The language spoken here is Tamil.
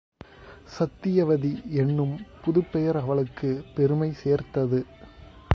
சத்தியவதி என்னும் புதுப்பெயர் அவளுக்குப் பெருமை சேர்த்தது.